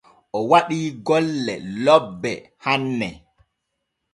O waɗii golle lobbe hanne.